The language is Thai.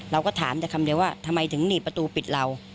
เราก็ถามแต่คำเดียวว่าทำไมถึงหนีบประตูปิดเรา